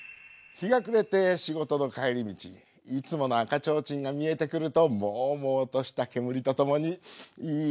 日が暮れて仕事の帰り道いつもの赤ちょうちんが見えてくるともうもうとした煙とともにいい香りだな！